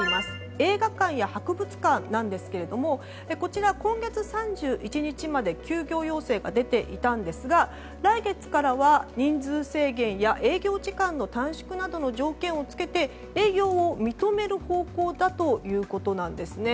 映画館や博物館なんですがこちら、今月３１日まで休業要請が出ていたんですが来月からは人数制限や営業時間の短縮などの条件を付けて営業を認める方向だということなんですね。